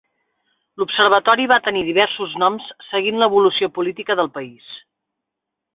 L'observatori va tenir diversos noms seguint l'evolució política del país.